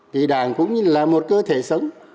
vì đảng cũng như là một cơ thể sống